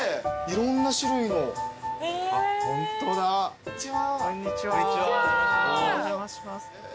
こんにちは。